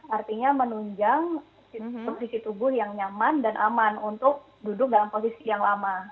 artinya menunjang posisi tubuh yang nyaman dan aman untuk duduk dalam posisi yang lama